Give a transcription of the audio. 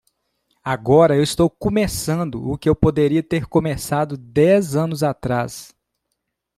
Agora eu estou começando o que eu poderia ter começado dez anos atrás.